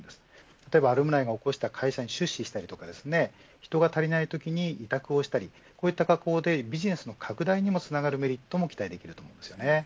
例えばアルムナイの起こした会社に出資したり人が足りないときに委託をしたりこうした格好でビジネスの拡大につながるメリットも期待できます。